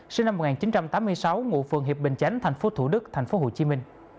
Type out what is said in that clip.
sinh năm một nghìn chín trăm tám mươi sáu ngụ phường hiệp bình chánh tp thủ đức tp hcm